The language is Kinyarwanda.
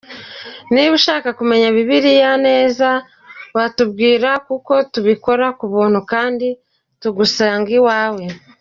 Niba ushaka kumenya Bible neza, watubwira kuko tubikora ku buntu kandi tugusanze iwawe.